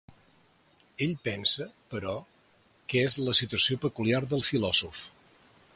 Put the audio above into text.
Ell pensa, però, que és la situació peculiar del filòsof.